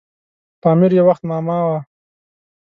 پامیر یو وخت معما وه.